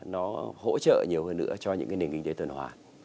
nó hỗ trợ nhiều hơn nữa cho những cái nền kinh tế tuần hoàn